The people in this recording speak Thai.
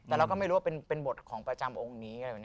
แต่เราก็ไม่รู้ว่าเป็นบทของประจำองค์นี้